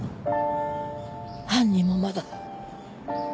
犯人もまだ。